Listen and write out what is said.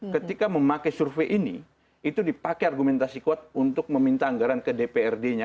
ketika memakai survei ini itu dipakai argumentasi kuat untuk meminta anggaran ke dprd nya